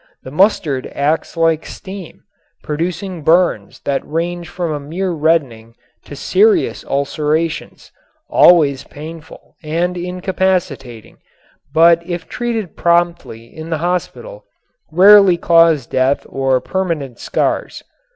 The mustard acts like steam, producing burns that range from a mere reddening to serious ulcerations, always painful and incapacitating, but if treated promptly in the hospital rarely causing death or permanent scars.